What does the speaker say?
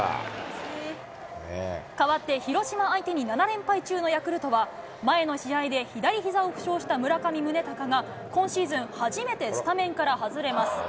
かわって広島相手に７連敗中のヤクルトは、前の試合で左ひざを負傷した村上宗隆が、今シーズン初めてスタメンから外れます。